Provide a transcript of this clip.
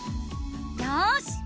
よし！